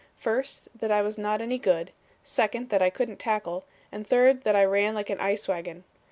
First, that I was not any good, second that I couldn't tackle, and third that I ran like an ice wagon.